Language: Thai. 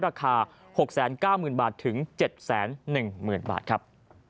ราคา๖๙๐๐๐บาทถึง๗๑๐๐๐บาทครับ